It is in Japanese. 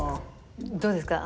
どうですか？